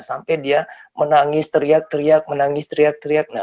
sampai dia menangis teriak teriak menangis teriak teriak